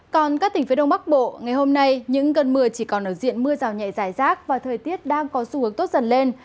còn các tỉnh phía đông bắc bộ ngày hôm nay những cơn mưa chỉ còn ở diện mưa rào nhẹ dài rác và thời tiết đang có xu hướng tốt dần lên